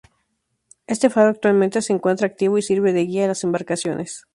Este faro actualmente se encuentra activo y sirve de guía a las embarcaciones.